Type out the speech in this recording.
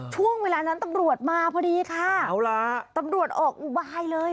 ช่วงเวลานั้นตำรวจมาพอดีค่ะเอาล่ะตำรวจออกอุบายเลย